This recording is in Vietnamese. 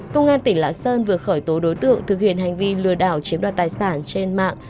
công an tỉnh lạng sơn vừa khởi tố đối tượng thực hiện hành vi lừa đảo chiếm đoạt tài sản trên mạng